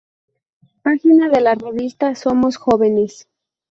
Página de la revista Somos Jóvenes